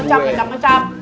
nggak gratis ngecap ngecap